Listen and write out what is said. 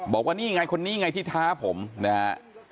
บอกว่านี่ไงคนนี้ไงที่ท้าผมนะฮะ